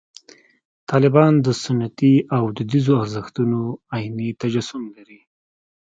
طالبان د سنتي او دودیزو ارزښتونو عیني تجسم لري.